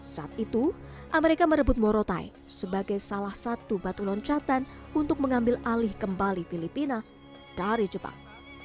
saat itu amerika merebut morotai sebagai salah satu batu loncatan untuk mengambil alih kembali filipina dari jepang